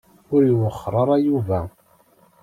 Ur iwexxeṛ ara Yuba.